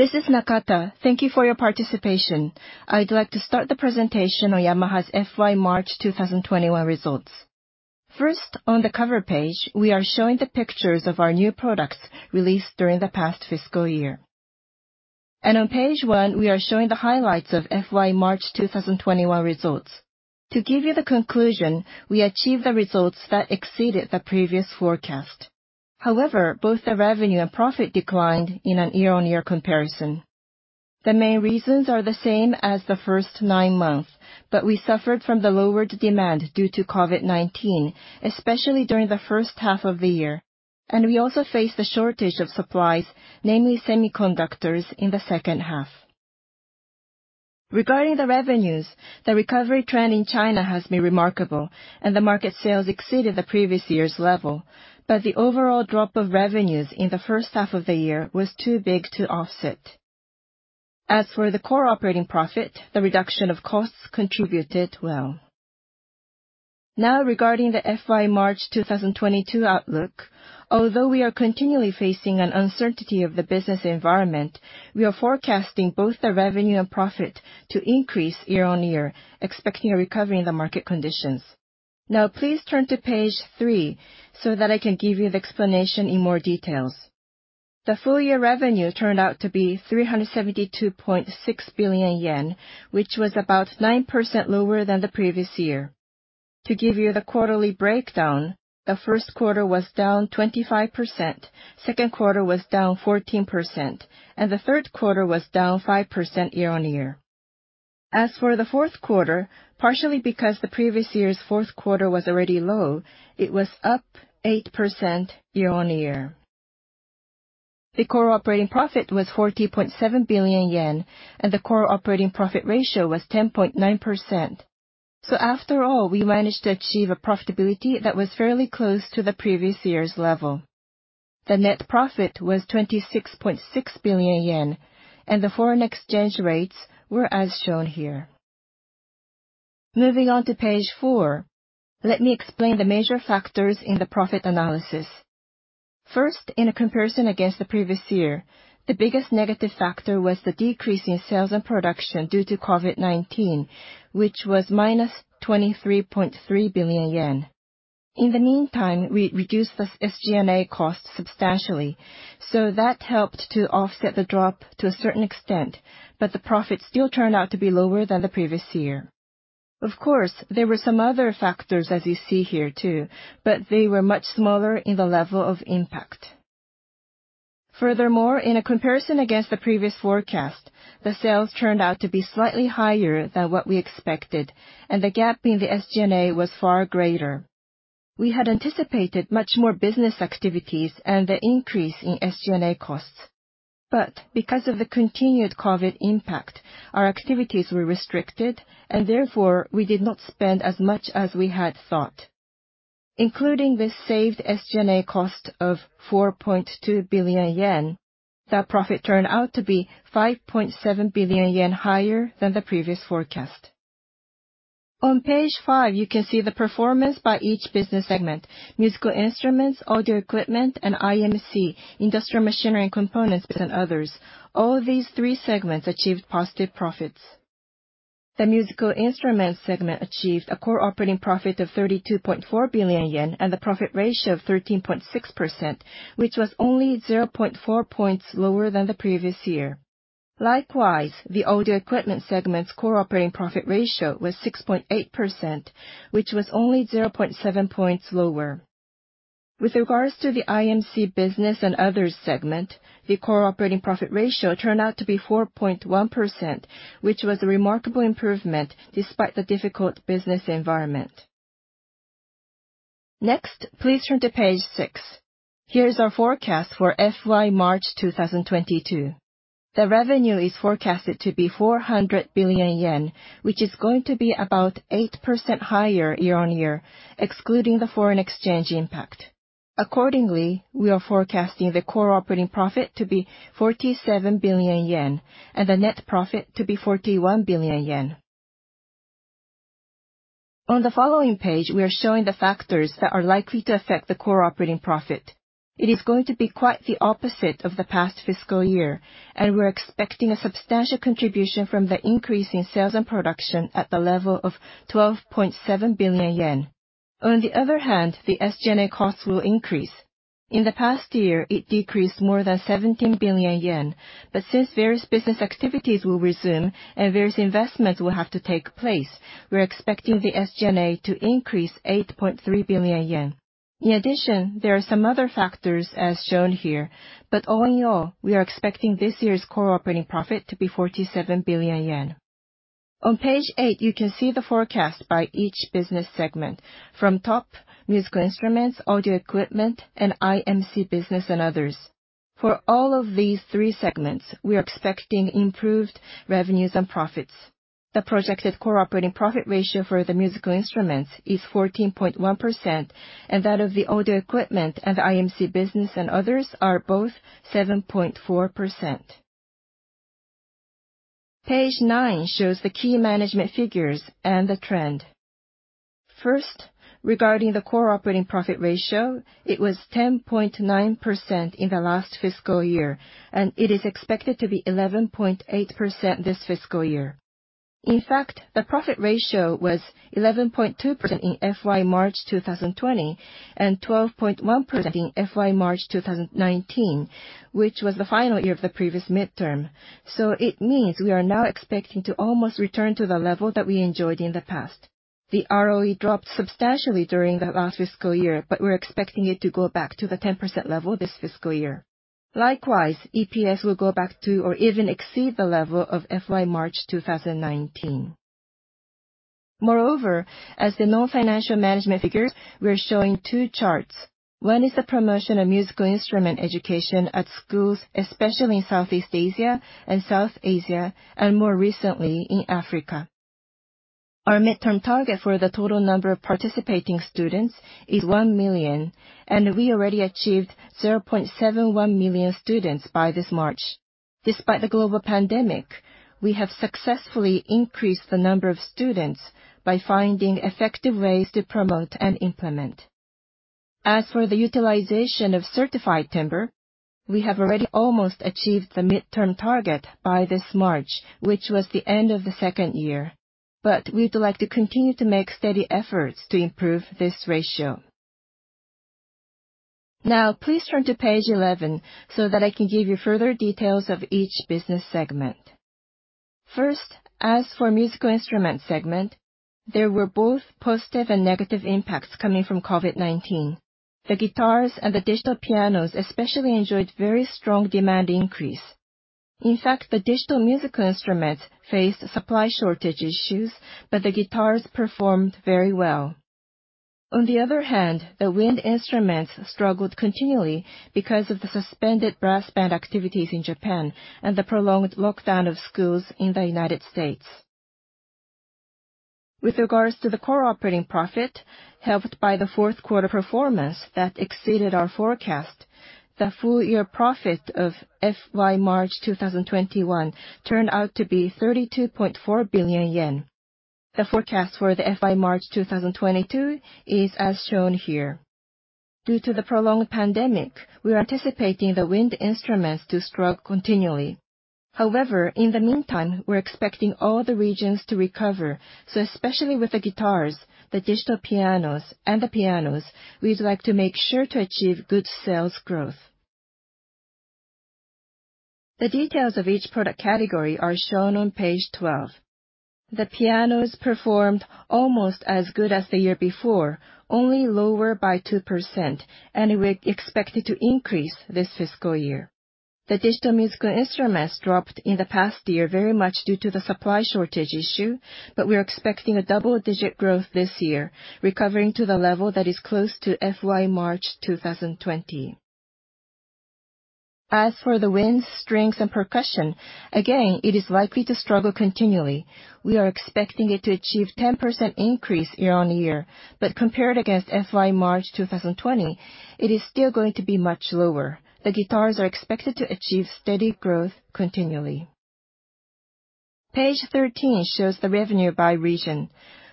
This is Nakata. Thank you for your participation. I'd like to start the presentation on Yamaha's FY March 2021 results. First, on the cover page, we are showing the pictures of our new products released during the past fiscal year. On page one, we are showing the highlights of FY March 2021 results. To give you the conclusion, we achieved the results that exceeded the previous forecast. However, both the revenue and profit declined in a year-on-year comparison. The main reasons are the same as the first nine months, we suffered from the lowered demand due to COVID-19, especially during the first half of the year. We also faced a shortage of supplies, namely semiconductors, in the second half. Regarding the revenues, the recovery trend in China has been remarkable, the market sales exceeded the previous year's level. The overall drop of revenues in the first half of the year was too big to offset. As for the core operating profit, the reduction of costs contributed well. Now, regarding the FY March 2022 outlook, although we are continually facing an uncertainty of the business environment, we are forecasting both the revenue and profit to increase year-on-year, expecting a recovery in the market conditions. Now, please turn to page three so that I can give you the explanation in more details. The full-year revenue turned out to be 372.6 billion yen, which was about 9% lower than the previous year. To give you the quarterly breakdown, the first quarter was down 25%, second quarter was down 14%, and the third quarter was down 5% year-on-year. As for the fourth quarter, partially because the previous year's fourth quarter was already low, it was up 8% year-on-year. The core operating profit was 40.7 billion yen, and the core operating profit ratio was 10.9%. After all, we managed to achieve a profitability that was fairly close to the previous year's level. The net profit was 26.6 billion yen. The foreign exchange rates were as shown here. Moving on to page four, let me explain the major factors in the profit analysis. First, in a comparison against the previous year, the biggest negative factor was the decrease in sales and production due to COVID-19, which was minus 23.3 billion yen. In the meantime, we reduced the SG&A costs substantially. That helped to offset the drop to a certain extent, but the profit still turned out to be lower than the previous year. Of course, there were some other factors, as you see here too. They were much smaller in the level of impact. In a comparison against the previous forecast, the sales turned out to be slightly higher than what we expected, and the gap in the SG&A was far greater. We had anticipated much more business activities and the increase in SG&A costs. Because of the continued COVID-19 impact, our activities were restricted, and therefore, we did not spend as much as we had thought. Including this saved SG&A cost of 4.2 billion yen, the profit turned out to be 5.7 billion yen higher than the previous forecast. On page five, you can see the performance by each business segment. Musical instruments, audio equipment, and IMC, industrial machinery and components, and others. All these three segments achieved positive profits. The musical instruments segment achieved a core operating profit of 32.4 billion yen, and the profit ratio of 13.6%, which was only 0.4 points lower than the previous year. Likewise, the audio equipment segment's core operating profit ratio was 6.8%, which was only 0.7 points lower. With regards to the IMC business and others segment, the core operating profit ratio turned out to be 4.1%, which was a remarkable improvement despite the difficult business environment. Next, please turn to page six. Here's our forecast for FY March 2022. The revenue is forecasted to be 400 billion yen, which is going to be about 8% higher year-on-year, excluding the foreign exchange impact. Accordingly, we are forecasting the core operating profit to be 47 billion yen and the net profit to be 41 billion yen. On the following page, we are showing the factors that are likely to affect the core operating profit. It is going to be quite the opposite of the past fiscal year, and we're expecting a substantial contribution from the increase in sales and production at the level of 12.7 billion yen. On the other hand, the SG&A costs will increase. In the past year, it decreased more than 17 billion yen. Since various business activities will resume and various investments will have to take place, we're expecting the SG&A to increase 8.3 billion yen. In addition, there are some other factors, as shown here. All in all, we are expecting this year's core operating profit to be 47 billion yen. On page eight, you can see the forecast by each business segment. From top, musical instruments, audio equipment, and IMC business and others. For all of these three segments, we are expecting improved revenues and profits. The projected core operating profit ratio for the musical instruments is 14.1%, and that of the audio equipment and the IMC business and others are both 7.4%. Page nine shows the key management figures and the trend. First, regarding the core operating profit ratio, it was 10.9% in the last fiscal year, and it is expected to be 11.8% this fiscal year. In fact, the profit ratio was 11.2% in FY March 2020, and 12.1% in FY March 2019, which was the final year of the previous midterm. It means we are now expecting to almost return to the level that we enjoyed in the past. The ROE dropped substantially during the last fiscal year, we're expecting it to go back to the 10% level this fiscal year. Likewise, EPS will go back to or even exceed the level of FY March 2019. Moreover, as the non-financial management figure, we are showing two charts. One is the promotion of musical instrument education at schools, especially in Southeast Asia and South Asia, and more recently, in Africa. Our midterm target for the total number of participating students is one million, and we already achieved 0.71 million students by this March. Despite the global pandemic, we have successfully increased the number of students by finding effective ways to promote and implement. As for the utilization of certified timber, we have already almost achieved the midterm target by this March, which was the end of the second year. We'd like to continue to make steady efforts to improve this ratio. Now, please turn to page 11 so that I can give you further details of each business segment. First, as for musical instruments segment, there were both positive and negative impacts coming from COVID-19. The guitars and the digital pianos especially enjoyed very strong demand increase. In fact, the digital musical instruments faced supply shortage issues, but the guitars performed very well. On the other hand, the wind instruments struggled continually because of the suspended brass band activities in Japan and the prolonged lockdown of schools in the U.S. With regards to the core operating profit, helped by the fourth quarter performance that exceeded our forecast, the full year profit of FY March 2021 turned out to be 32.4 billion yen. The forecast for the FY March 2022 is as shown here. Due to the prolonged pandemic, we are anticipating the wind instruments to struggle continually. However, in the meantime, we're expecting all the regions to recover, so especially with the guitars, the digital pianos, and the pianos, we'd like to make sure to achieve good sales growth. The details of each product category are shown on page 12. The pianos performed almost as good as the year before, only lower by 2%, and we expect it to increase this fiscal year. The digital musical instruments dropped in the past year very much due to the supply shortage issue. We are expecting a double-digit growth this year, recovering to the level that is close to FY March 2020. As for the winds, strings, and percussion, again, it is likely to struggle continually. We are expecting it to achieve 10% increase year-on-year. Compared against FY March 2020, it is still going to be much lower. The guitars are expected to achieve steady growth continually. Page 13 shows the revenue by region.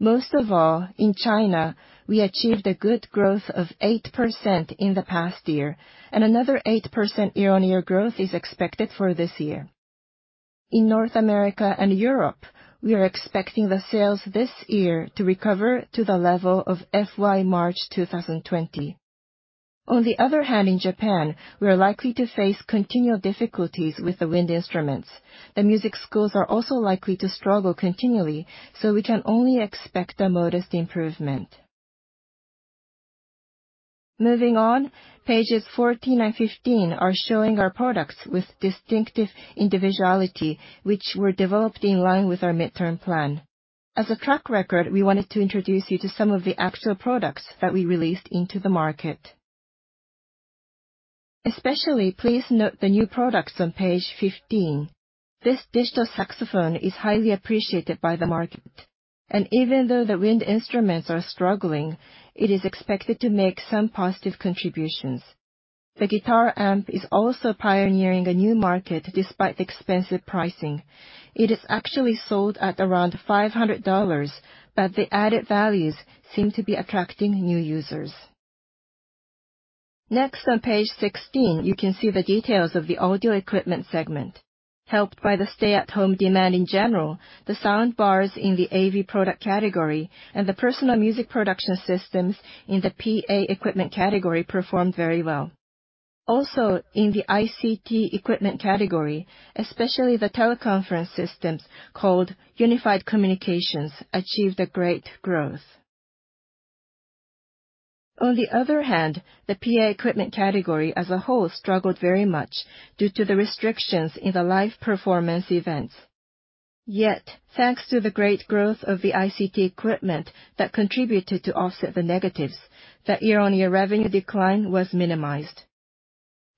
Most of all, in China, we achieved a good growth of 8% in the past year, and another 8% year-on-year growth is expected for this year. In North America and Europe, we are expecting the sales this year to recover to the level of FY March 2020. On the other hand, in Japan, we are likely to face continual difficulties with the wind instruments. The music schools are also likely to struggle continually, so we can only expect a modest improvement. Moving on, pages 14 and 15 are showing our products with distinctive individuality, which were developed in line with our midterm plan. As a track record, we wanted to introduce you to some of the actual products that we released into the market. Especially, please note the new products on page 15. This digital saxophone is highly appreciated by the market, and even though the wind instruments are struggling, it is expected to make some positive contributions. The guitar amp is also pioneering a new market, despite the expensive pricing. It is actually sold at around 500, but the added values seem to be attracting new users. Next, on page 16, you can see the details of the audio equipment segment. Helped by the stay-at-home demand in general, the sound bars in the AV product category and the personal music production systems in the PA equipment category performed very well. Also, in the ICT equipment category, especially the teleconference systems called unified communications, achieved a great growth. On the other hand, the PA equipment category as a whole struggled very much due to the restrictions in the live performance events. Thanks to the great growth of the ICT equipment that contributed to offset the negatives, the year-on-year revenue decline was minimized.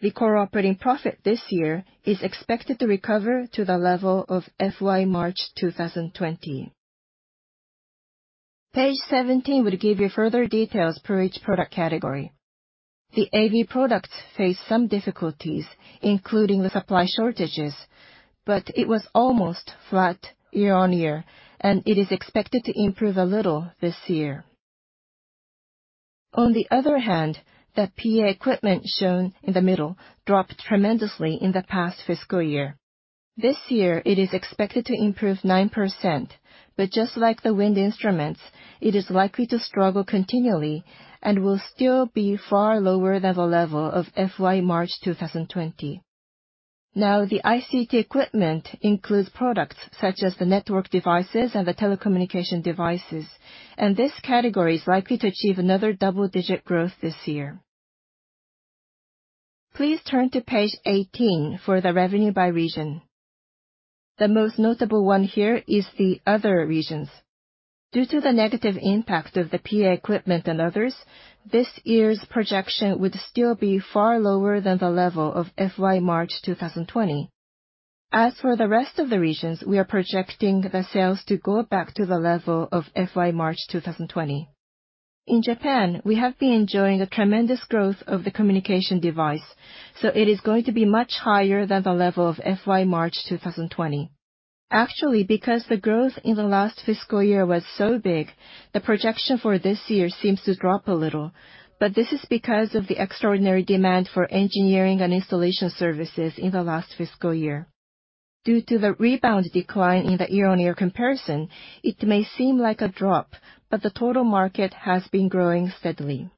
The core operating profit this year is expected to recover to the level of FY March 2020. Page 17 would give you further details per each product category. The AV products face some difficulties, including the supply shortages, but it was almost flat year-on-year, and it is expected to improve a little this year. On the other hand, the PA equipment shown in the middle dropped tremendously in the past fiscal year. This year, it is expected to improve 9%, but just like the wind instruments, it is likely to struggle continually and will still be far lower than the level of FY March 2020. Now, the ICT equipment includes products such as the network devices and the telecommunication devices, and this category is likely to achieve another double-digit growth this year. Please turn to page 18 for the revenue by region. The most notable one here is the other regions. Due to the negative impact of the PA equipment and others, this year's projection would still be far lower than the level of FY March 2020. As for the rest of the regions, we are projecting the sales to go back to the level of FY March 2020. In Japan, we have been enjoying a tremendous growth of the communication device, so it is going to be much higher than the level of FY March 2020. Actually, because the growth in the last fiscal year was so big, the projection for this year seems to drop a little, but this is because of the extraordinary demand for engineering and installation services in the last fiscal year. Due to the rebound decline in the year-on-year comparison, it may seem like a drop, but the total market has been growing steadily.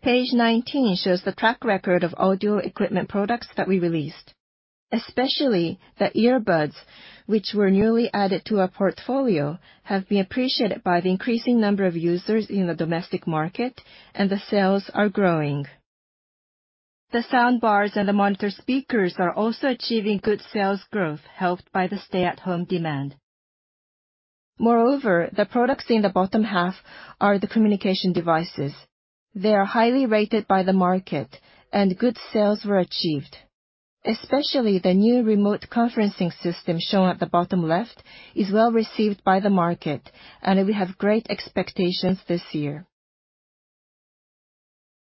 Page 19 shows the track record of audio equipment products that we released. Especially the earbuds, which were newly added to our portfolio, have been appreciated by the increasing number of users in the domestic market, and the sales are growing. The soundbars and the monitor speakers are also achieving good sales growth, helped by the stay-at-home demand. Moreover, the products in the bottom half are the communication devices. They are highly rated by the market, and good sales were achieved. Especially the new remote conferencing system shown at the bottom left is well received by the market, and we have great expectations this year.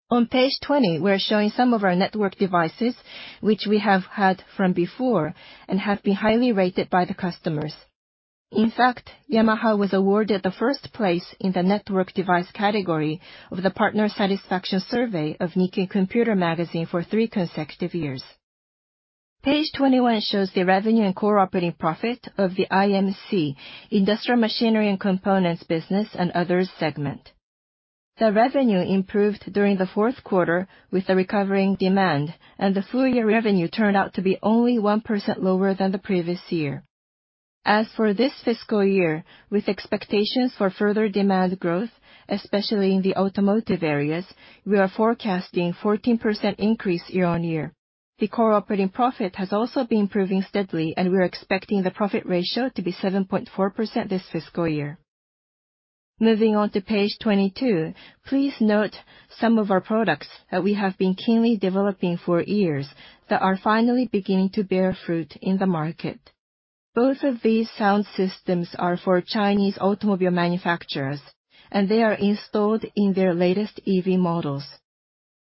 On page 20, we're showing some of our network devices, which we have had from before and have been highly rated by the customers. In fact, Yamaha was awarded the first place in the network device category of the Partner Satisfaction Survey of Nikkei Computer magazine for three consecutive years. Page 21 shows the revenue and core operating profit of the IMC, Industrial Machinery and Components business and others segment. The revenue improved during the fourth quarter with the recovering demand, and the full year revenue turned out to be only 1% lower than the previous year. As for this fiscal year, with expectations for further demand growth, especially in the automotive areas, we are forecasting 14% increase year-on-year. The core operating profit has also been improving steadily, we're expecting the profit ratio to be 7.4% this fiscal year. Moving on to page 22, please note some of our products that we have been keenly developing for years that are finally beginning to bear fruit in the market. Both of these sound systems are for Chinese automobile manufacturers, they are installed in their latest EV models.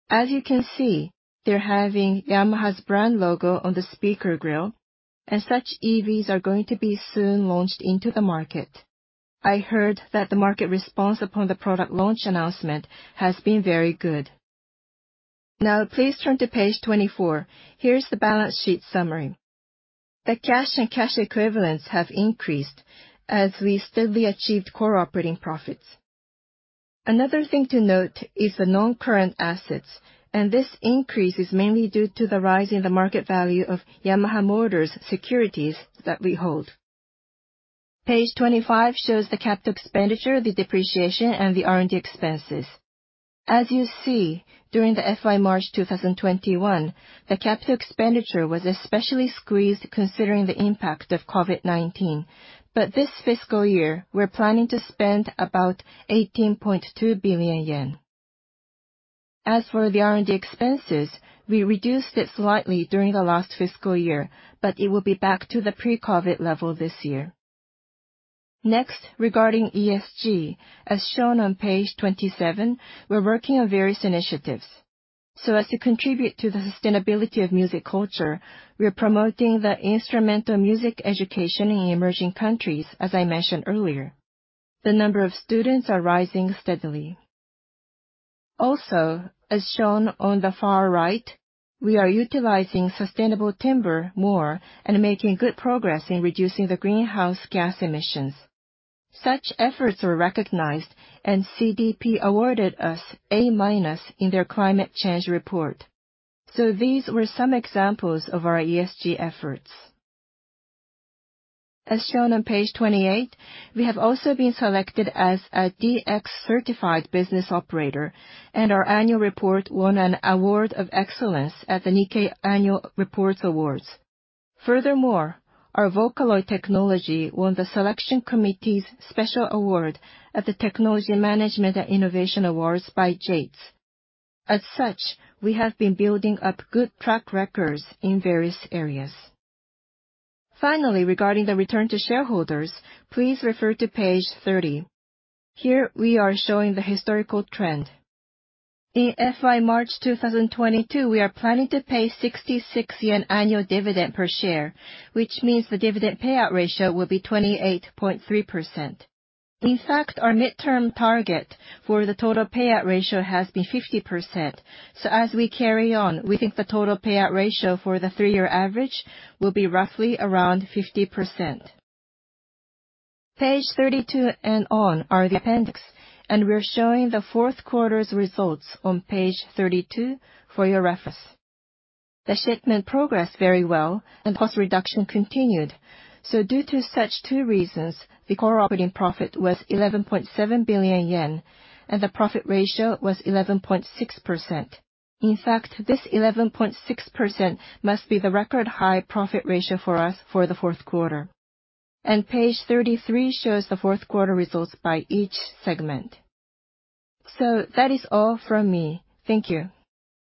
As you can see, they're having Yamaha's brand logo on the speaker grille, such EVs are going to be soon launched into the market. I heard that the market response upon the product launch announcement has been very good. Please turn to page 24. Here's the balance sheet summary. The cash and cash equivalents have increased as we steadily achieved core operating profits. Another thing to note is the non-current assets. This increase is mainly due to the rise in the market value of Yamaha Motor's securities that we hold. Page 25 shows the capital expenditure, the depreciation, and the R&D expenses. As you see, during the FY March 2021, the capital expenditure was especially squeezed considering the impact of COVID-19. This fiscal year, we're planning to spend about 18.2 billion yen. As for the R&D expenses, we reduced it slightly during the last fiscal year. It will be back to the pre-COVID level this year. Next, regarding ESG, as shown on page 27, we're working on various initiatives. As to contribute to the sustainability of music culture, we are promoting the instrumental music education in emerging countries, as I mentioned earlier. The number of students are rising steadily. As shown on the far right, we are utilizing sustainable timber more and making good progress in reducing the greenhouse gas emissions. Such efforts were recognized, and CDP awarded us A- in their climate change report. These were some examples of our ESG efforts. As shown on page 28, we have also been selected as a DX certified business operator, and our annual report won an award of excellence at the Nikkei Annual Report Awards. Our VOCALOID technology won the Selection Committee's Special Award at the Technology Management & Innovation Awards by JATES. We have been building up good track records in various areas. Regarding the return to shareholders, please refer to page 30. We are showing the historical trend. In FY March 2022, we are planning to pay 66 yen annual dividend per share, which means the dividend payout ratio will be 28.3%. In fact, our midterm target for the total payout ratio has been 50%. As we carry on, we think the total payout ratio for the three-year average will be roughly around 50%. Page 32 and on are the appendix, and we're showing the fourth quarter's results on page 32 for your reference. The shipment progressed very well, and cost reduction continued. Due to such two reasons, the core operating profit was 11.7 billion yen, and the profit ratio was 11.6%. In fact, this 11.6% must be the record-high profit ratio for us for the fourth quarter. Page 33 shows the fourth quarter results by each segment. That is all from me. Thank you.